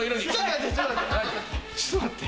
ちょっと待って。